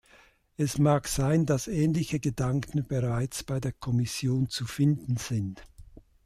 Es mag sein, dass ähnliche Gedanken bereits bei der Kommission zu finden sind.